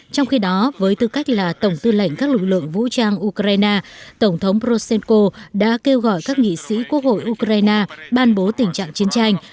trong khi đó với tư cách là tổng tư lệnh các lực lượng vũ trang ukraine tổng thống proshenko đã kêu gọi các nghị sĩ quốc hội ukraine ban bố tình trạng chiến tranh